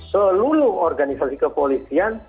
seluruh organisasi kepolisian